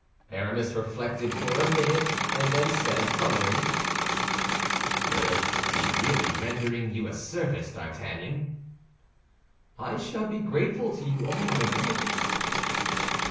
Aramis reflected for a minute, and then said, coloring, "Will it be really rendering you a service, D'Artagnan?" "I shall be grateful to you all my life."